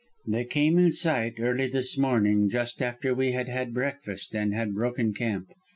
"They came in sight early this morning just after we had had breakfast and had broken camp.